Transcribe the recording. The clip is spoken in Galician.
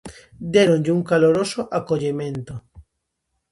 Déronlle un caloroso acollemento.